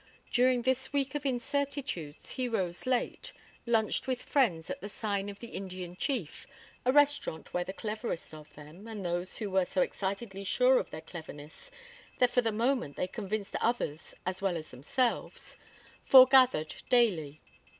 During this week of incertitudes he rose late, lunched with friends at the Sign of the Indian Chief, a restaurant where the cleverest of them and those who were so excitedly sure of their cleverness that for the moment they convinced others as well as themselves foregathered daily.